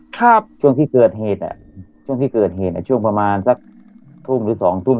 ครับช่วงที่เกิดเหตุอ่ะช่วงที่เกิดเหตุอ่ะช่วงประมาณสักทุ่มหรือสองทุ่ม